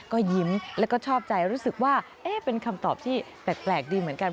ก็ยิ้มแล้วก็ชอบใจรู้สึกว่าเป็นคำตอบที่แปลกดีเหมือนกัน